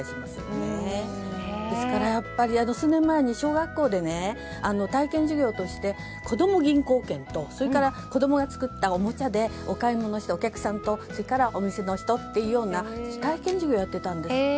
数年前に小学校で体験授業として子供銀行券と子供が作ったおもちゃでお買い物して、お客さんとそれからお店の人っていうような体験授業をやってたんです。